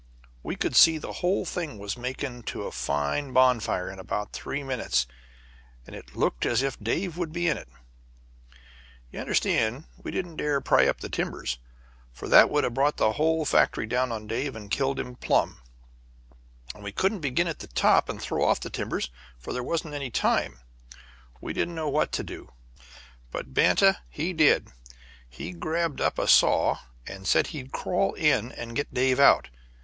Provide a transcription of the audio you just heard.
We could see the whole thing was going to make a fine bonfire in about three minutes, and it looked as if Dave would be in it. [Illustration: AT FULL SPEED.] "You understand, we didn't dare pry up the timbers, for that would have brought the whole factory down on Dave and killed him plumb. And we couldn't begin at the top and throw off the timbers, for there wasn't any time. We didn't know what to do, but Banta he did. He grabbed up a saw, and said he'd crawl in and get Dave out.